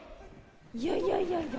いやいやいやいや。